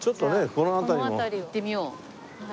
この辺り行ってみよう！